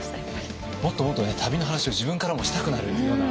もっともっとね旅の話を自分からもしたくなるような感じがしましたね。